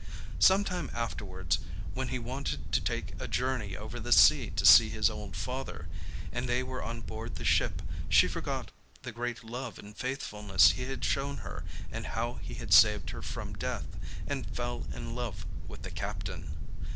Some time afterwards, when he wanted to take a journey over the sea to his old father, and they were on board the ship, she forgot the great love and faithfulness he had shown her and how he had saved her from death, and fell in love with the captain.